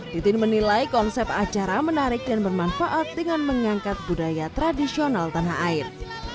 titin menilai konsep acara menarik dan bermanfaat dengan mengangkat budaya tradisional tanah air